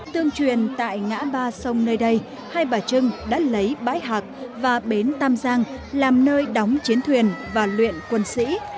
tương truyền tại ngã ba sông nơi đây hai bà trưng đã lấy bãi hạc và bến tam giang làm nơi đóng chiến thuyền và luyện quân sĩ